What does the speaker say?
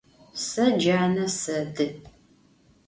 Se cane sedı.